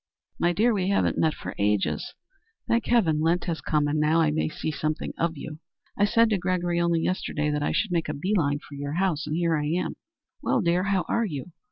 "My dear, we haven't met for ages. Thank heaven, Lent has come, and now I may see something of you. I said to Gregory only yesterday that I should make a bee line for your house, and here I am. Well, dear, how are you?